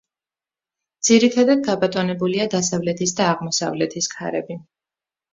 ძირითადად გაბატონებულია დასავლეთის და აღმოსავლეთის ქარები.